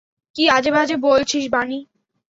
কি আজেবাজে বলছিস, বানি!